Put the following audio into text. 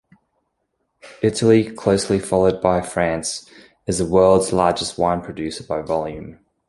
Italy, closely followed by France, is the world's largest wine producer by volume.